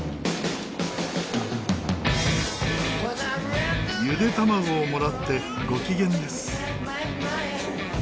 ゆで卵をもらってご機嫌です。